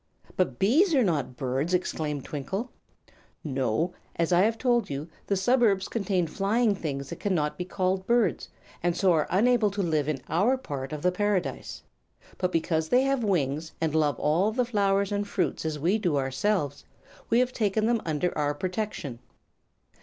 "But bees are not birds!" exclaimed Twinkle. "No; as I have told you, the suburbs contain flying things that cannot be called birds, and so are unable to live in our part of the Paradise. But because they have wings, and love all the flowers and fruits as we do ourselves, we have taken them under our protection."